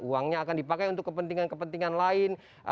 uangnya akan dipakai untuk kepentingan kepentingan lain